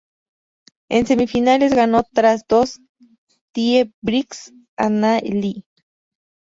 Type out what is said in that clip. En semifinales ganó tras dos tie breaks a Na Li.